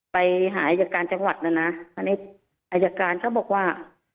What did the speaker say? ไปหาอายการจังหวัดแล้วนะทีนี้อายการเขาบอกว่า